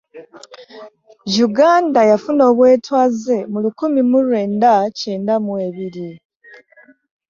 uganda yafuna obwetwaze mu lukumi mu lwenda kyenda mu ebiri.